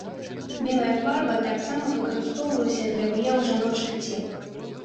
Белая фарба таксама выкарыстоўвалася для выяў жаночых цел.